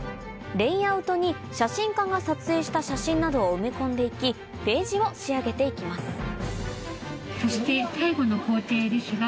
レイアウトに写真家が撮影した写真などを埋め込んで行きページを仕上げて行きます